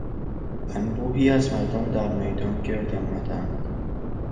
انبوهی از مردم در میدان گرد آمدند.